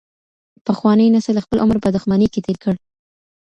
پخواني نسل خپل عمر په دښمنۍ کي تیر کړ.